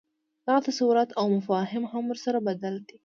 دغه تصورات او مفاهیم هم ورسره بدل دي.